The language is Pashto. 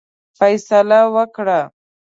فیصله وکړه.